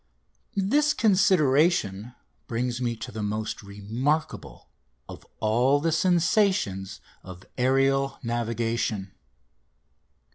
This consideration brings me to the most remarkable of all the sensations of aerial navigation.